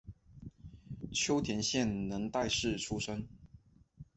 秋田县能代市出身。